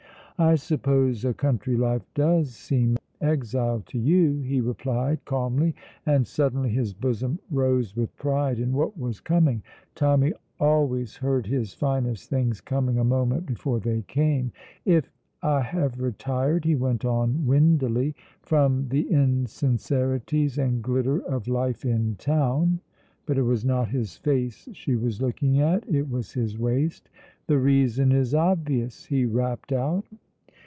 "I suppose a country life does seem exile to you," he replied calmly, and suddenly his bosom rose with pride in what was coming. Tommy always heard his finest things coming a moment before they came. "If I have retired," he went on windily, "from the insincerities and glitter of life in town," but it was not his face she was looking at, it was his waist, "the reason is obvious," he rapped out.